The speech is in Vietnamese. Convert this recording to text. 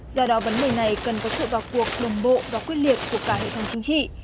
do đó vấn đề này cần có sự vào cuộc đồng bộ và quyết liệt của cả hệ thống chính trị